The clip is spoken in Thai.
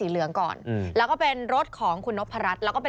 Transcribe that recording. แล้วก็เป็นรถของนนกพรรดิ